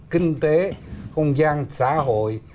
kinh tế không gian xã hội